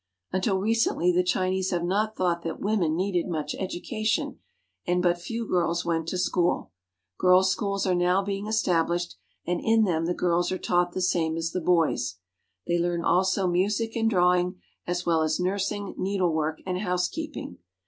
Until recently the Chinese have not thought that women needed much education, and but few girls went to school. Girls* schools are now being estabhshed, and in them the girls are taught the same as the boys. They learn also THE GOVERNMENT AND THE SCHOOLS 135 music and drawing, as well as 'nursing, needlework, and housekeeping.